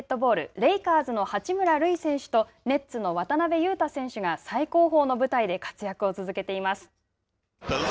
レイカーズの八村塁選手とネッツの渡邊雄太選手が最高峰の舞台で活躍を続けています。